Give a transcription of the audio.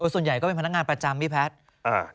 ส่วนใหญ่ก็เป็นพนักงานประจำพี่แพทย์